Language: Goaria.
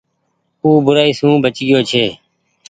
او بورآئي سون بچ گيو ڇي